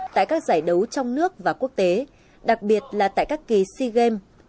tại các giải đấu trong nước và quốc tế đặc biệt là tại các kỳ sea games